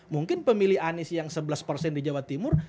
mungkin pemilih anies yang sebelas persen di jawa timur